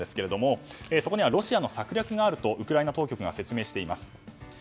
そこにはロシアの策略があるとウクライナ当局が説明しています。